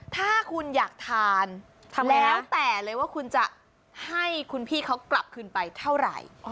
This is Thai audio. ถ้าคุณอยากทานแล้วแต่เลยว่าคุณจะให้คุณพี่เขากลับคืนไปเท่าไหร่